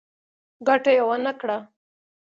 ګټه یې ونه کړه.